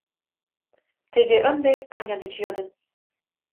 Теве ынде Аня деч йодын.